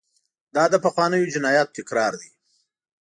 دا د پخوانیو جنایاتو تکرار دی.